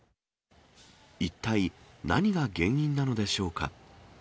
一体、何が原因なのでしょうか。